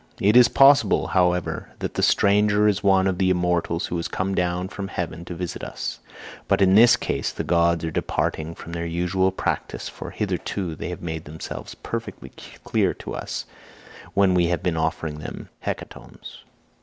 It is possible, however, that the stranger is one of the immortals who has come down from heaven to visit us; but in this case the gods are departing from their usual practice, for hitherto they have made themselves perfectly clear to us when we have been offering them hecatombs.